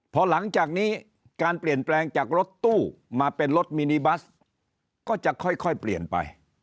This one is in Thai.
พอหลังจากนี้การเปลี่ยนแปลงจากรถตู้มาเป็นรถมินิบัสก็จะค่อยเปลี่ยนไป